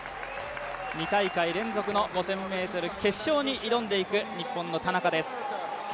２大会連続の５０００ｍ決勝に挑んでいく、日本の田中です。